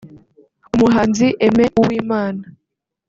Umuhanzi Aime Uwimana